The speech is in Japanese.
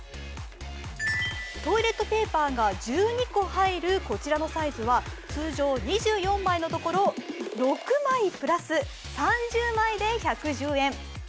トイレットペーパーが１２個入るこちらのサイズは通常２４枚のところ、６枚プラス３０枚で１１０円。